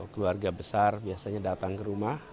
keluarga besar biasanya datang ke rumah